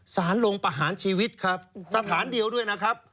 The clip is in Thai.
สารลงประหารชีวิตครับสถานเดียวด้วยนะครับ